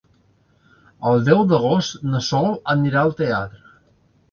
El deu d'agost na Sol anirà al teatre.